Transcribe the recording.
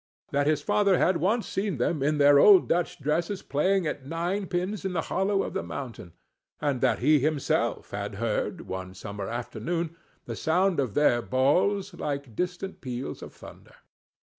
That his father had once seen them in their old Dutch dresses playing at nine pins in a hollow of the mountain; and that he himself had heard, one summer afternoon, the sound of their balls, like distant peals of thunder.